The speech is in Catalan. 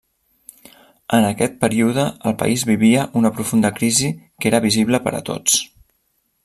En aquest període el país vivia una profunda crisi que era visible per a tots.